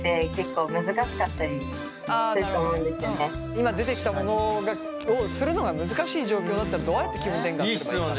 今出てきたものをするのが難しい状況だったらどうやって気分転換するんだ。